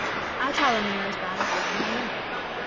I tell them they are as bad as Ruth and Naomi.